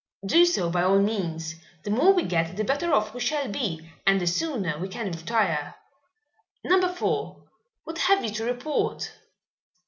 "Do so by all means. The more we get the better off we shall be and the sooner we can retire. Number Four, what have you to report?"